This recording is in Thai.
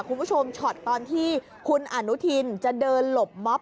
ช็อตตอนที่คุณอนุทินจะเดินหลบม็อบ